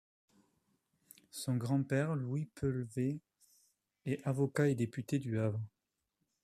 Son grand-père Louis Peulevey est avocat et député du Havre.